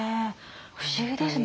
不思議ですね。